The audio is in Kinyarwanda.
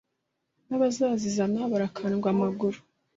N'abazazizana barakandwa amaguru